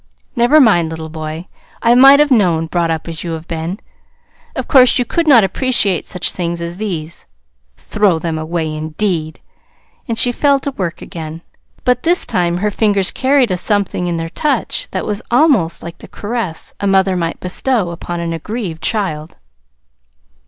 "Never mind, little boy. I might have known brought up as you have been. Of course you could not appreciate such things as these. Throw them away, indeed!" And she fell to work again; but this time her fingers carried a something in their touch that was almost like the caress a mother might bestow upon an aggrieved child.